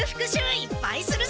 いっぱいするぞ！